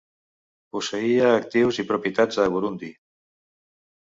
Posseïa actius i propietats a Burundi.